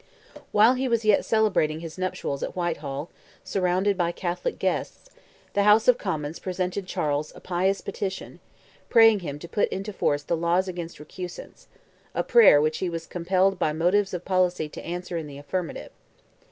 While he was yet celebrating his nuptials at Whitehall, surrounded by Catholic guests, the House of Commons presented Charles "a pious petition," praying him to put into force the laws against recusants; a prayer which he was compelled by motives of policy to answer in the affirmative.